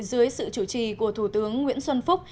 dưới sự chủ trì của thủ tướng nguyễn xuân phúc